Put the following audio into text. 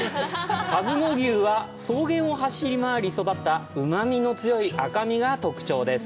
「かづの牛」は、草原を走り回り育ったうまみの強い赤身が特徴です。